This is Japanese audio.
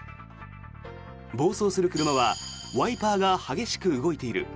暴走する車はワイパーが激しく動いている。